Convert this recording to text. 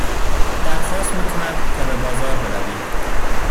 در خواست میکنند تا به بازار بروید.